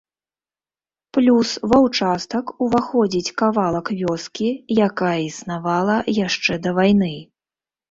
Плюс ва ўчастак ўваходзіць кавалак вёскі, якая існавала яшчэ да вайны.